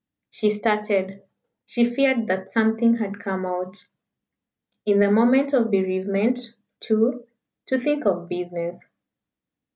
She started. She feared that something had come out. "In the moment of bereavement, too, to think of business."